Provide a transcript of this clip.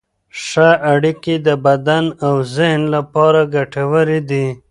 ښه اړیکې د بدن او ذهن لپاره ګټورې دي.